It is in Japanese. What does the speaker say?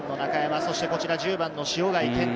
そして、こちら１０番の塩貝健人。